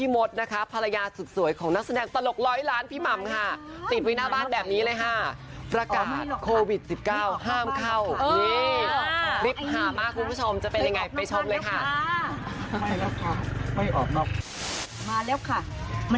ไม่แล้วขาดให้ออกนอกบ้านแล้วขาดเข็ดแล้วครับ